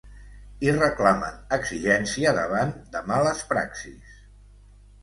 I reclamen exigència davant de “males praxis”.